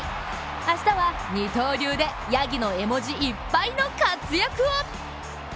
明日は二刀流でやぎの絵文字いっぱいの活躍を！